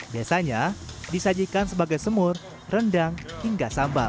biasanya disajikan sebagai semur rendang hingga sambal